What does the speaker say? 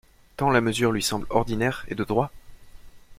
Tant la mesure lui semble ordinaire et de droit!